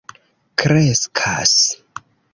kreskas